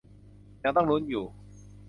ยังต้องลุ้นอยู่